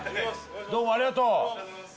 どうもありがとう。